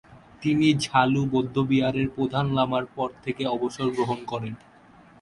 তিনি ঝ্বা-লু বৌদ্ধবিহারের প্রধান লামার পদ থেকে অবসর গ্রহণ করেন।